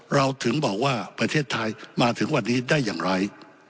เราถึงบอกว่าประเทศไทยมาถึงวันนี้ได้อย่างไร